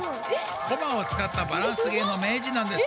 コマをつかったバランス芸のめいじんなんです。